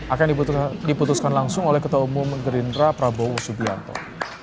akan diputuskan langsung oleh ketua umum gerindra prabowo subianto